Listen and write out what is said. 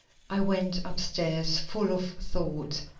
I went upstairs full of thought.